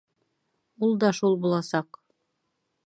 Ул да шул буласаҡ.